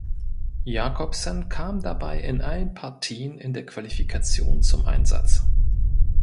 Jakobsen kam dabei in allen Partien in der Qualifikation zum Einsatz.